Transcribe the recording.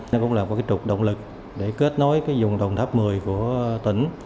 nó cũng là một trục động lực để kết nối dùng đồng tháp một mươi của tỉnh